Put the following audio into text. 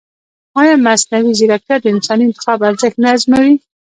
ایا مصنوعي ځیرکتیا د انساني انتخاب ارزښت نه ازموي؟